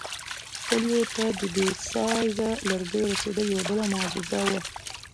کلیو ته د دې بې سایزه لرګیو رسېدل یوه بله معجزه وه.